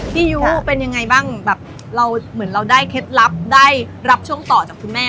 ยุเป็นยังไงบ้างแบบเราเหมือนเราได้เคล็ดลับได้รับช่วงต่อจากคุณแม่